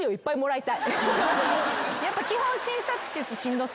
やっぱ基本。